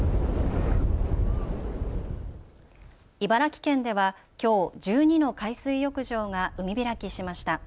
茨城県ではきょう１２の海水浴場が海開きしました。